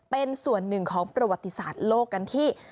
เป็นส่วนหนึ่งของประวัติศาสตร์โลกกันที่